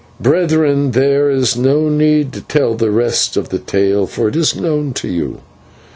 Brethren, there is no need to tell the rest of the tale, for it is known to you.